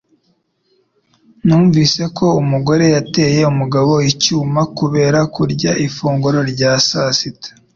Numvise ko umugore yateye umugabo icyuma kubera kurya ifunguro rya sasita